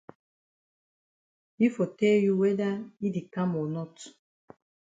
Yi for tell you whether yi di kam o not.